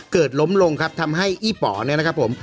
ล้มลงครับทำให้อี้ป๋อเนี่ยนะครับผม